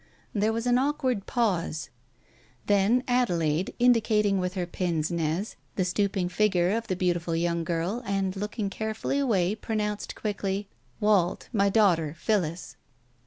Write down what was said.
There was an awkward pause. ... Then Adelaide, indicating with her pince nez the stooping figure of the beautiful young girl, and looking carefully away, pronounced quickly — "Wald, my daughter, Phillis."